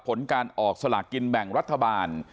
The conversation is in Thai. ผลการออกสลากกินแบ่งรัฐบาล